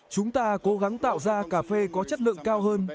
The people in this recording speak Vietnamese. chúng ta cố gắng tạo ra cà phê có chất lượng cao hơn